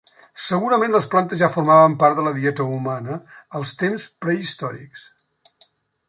Segurament les plantes ja formaven part de la dieta humana als temps prehistòrics.